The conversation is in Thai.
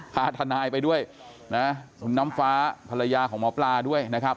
พาทนายไปด้วยนะคุณน้ำฟ้าภรรยาของหมอปลาด้วยนะครับ